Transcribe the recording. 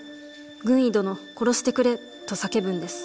軍医殿殺してくれ』と叫ぶんです。